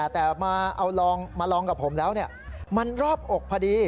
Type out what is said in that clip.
แต่มาเอามาลองกับผมแล้วมันรอบอกพอดี